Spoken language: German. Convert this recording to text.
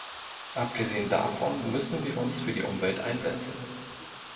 Abgesehen davon müssen wir uns für die Umwelt einsetzen.